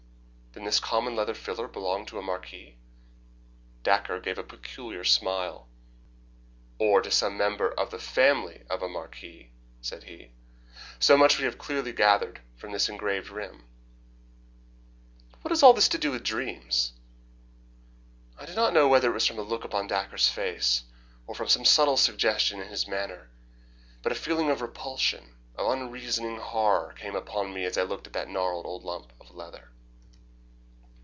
"Then this common leather filler belonged to a marquis?" Dacre gave a peculiar smile. "Or to some member of the family of a marquis," said he. "So much we have clearly gathered from this engraved rim." "But what has all this to do with dreams?" I do not know whether it was from a look upon Dacre's face, or from some subtle suggestion in his manner, but a feeling of repulsion, of unreasoning horror, came upon me as I looked at the gnarled old lump of leather.